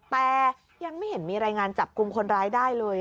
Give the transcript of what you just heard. แต่ยังไม่เห็นมีรายงานจับกลุ่มคนร้ายได้เลย